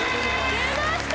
出ました！